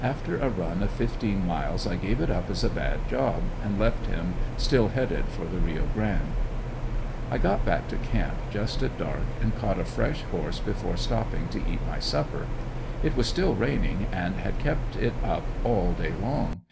After a run of fifteen miles I gave it up as a bad job and left him still headed for the Rio Grande. I got back to camp just at dark and caught a fresh horse before stopping to eat my supper. It was still raining and had kept it up all day long.